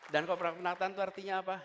koprak penataan itu artinya apa